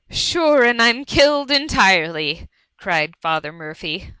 " Sure, and I'm killed entirely T cried Father Murphy.